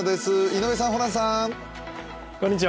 井上さん、ホランさん。